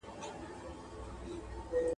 خلګ کولای سي عدالت پلي کړي.